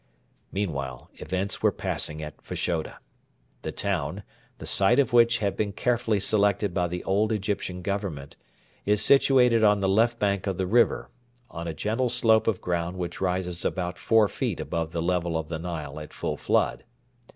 Meanwhile events were passing at Fashoda. The town, the site of which had been carefully selected by the old Egyptian Government, is situated on the left bank of the river, on a gentle slope of ground which rises about four feet above the level of the Nile at full flood.